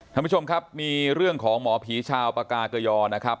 ท่านผู้ชมครับมีเรื่องของหมอผีชาวปากาเกยอนะครับ